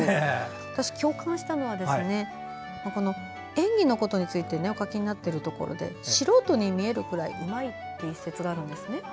私が共感したのは演技のことについてお書きになっているところで「素人に見えるくらいにうまい」という一節があるんですね。